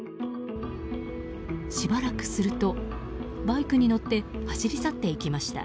しばらくすると、バイクに乗って走り去っていきました。